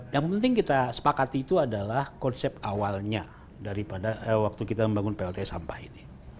yang penting kita sepakati itu adalah konsep awalnya daripada waktu kita membangun plt sampah ini